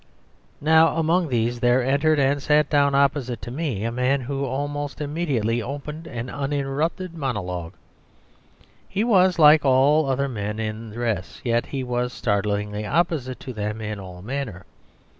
Now, among these there entered and sat down opposite to me a man who almost immediately opened an uninterrupted monologue. He was like all the other men in dress, yet he was startlingly opposite to them in all manner.